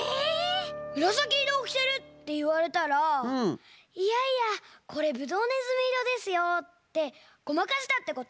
「むらさきいろをきてる！」っていわれたら「いやいやこれぶどうねずみいろですよ」ってごまかしたってこと？